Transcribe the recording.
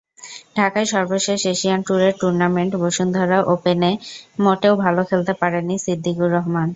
ঢাকায় সর্বশেষ এশিয়ান ট্যুরের টুর্নামেন্ট বসুন্ধরা ওপেনে মোটেও ভালো খেলতে পারেননি সিদ্দিকুর রহমান।